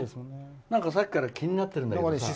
さっきから気になってるんだけどさ。